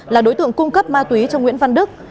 là đối tượng cung cấp ma túy cho nguyễn văn đức